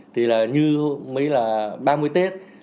thì là như mới là ba mươi tết